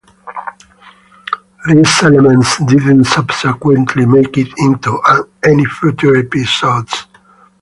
These elements didn't subsequently make it into any future episodes.